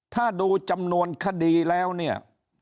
ถ้าดูจำนวนคดีแล้วเนี่ย